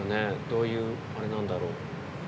どういうあれなんだろう。